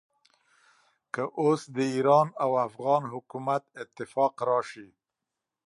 که اوس د ایران او افغان حکومت اتفاق راشي.